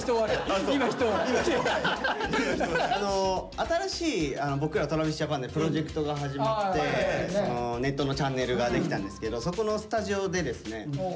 新しい僕らＴｒａｖｉｓＪａｐａｎでプロジェクトが始まってネットのチャンネルができたんですけどそこのスタジオでですね